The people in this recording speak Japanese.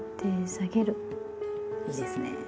いいですね。